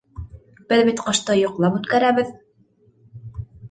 Беҙ бит ҡышты йоҡлап үткәрәбеҙ.